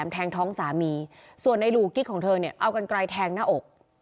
แทงท้องสามีส่วนในหลู่กิ๊กของเธอเนี่ยเอากันไกลแทงหน้าอก